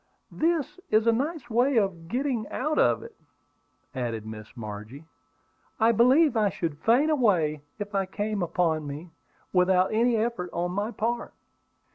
"That is a nice way to get out of it," added Miss Margie. "I believe I should faint away if I came upon one, without any effort on my part."